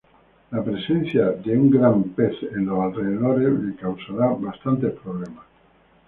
La presencia de un gran pez en los alrededores le causará bastantes problemas.